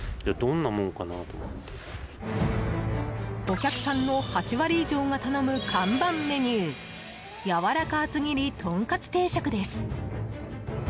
お客さんの８割以上が頼む看板メニューやわらか厚切りトンカツ定食です。